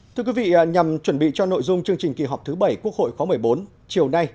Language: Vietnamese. thưa quý vị nhằm chuẩn bị cho nội dung chương trình kỳ họp thứ bảy quốc hội khóa một mươi bốn chiều nay